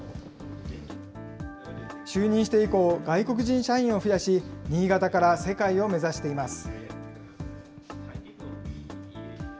就任して以降、外国人社員を増やし、新潟から世界を目指しています。